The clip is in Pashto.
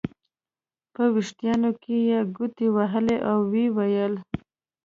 په وریښتانو کې یې ګوتې وهلې او ویې ویل.